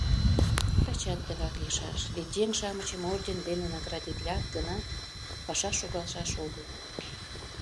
Тачат тыгак лийшаш, вет еҥ-шамычым орден дене наградитлат гынат, паша шогалшаш огыл.